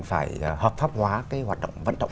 phải hợp pháp hóa hoạt động vận động